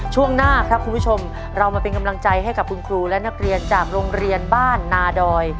ช่วงหน้าครับคุณผู้ชมเรามาเป็นกำลังใจให้กับคุณครูและนักเรียนจากโรงเรียนบ้านนาดอย